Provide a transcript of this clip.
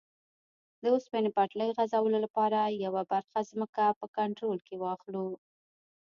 د اوسپنې پټلۍ غځولو لپاره یوه برخه ځمکه په کنټرول کې واخلو.